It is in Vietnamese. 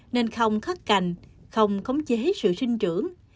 nên không khắc cành không khống chế sự sinh trưởng